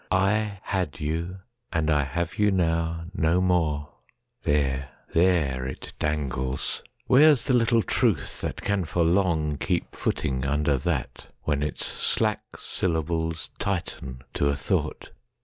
"I had you and I have you now no more."There, there it dangles,—where's the little truthThat can for long keep footing under thatWhen its slack syllables tighten to a thought?